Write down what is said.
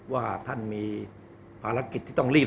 ว่าท่านมีภารกิจที่ต้องรีบ